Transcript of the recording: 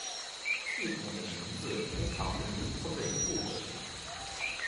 系统的名字通常是名称的一部分。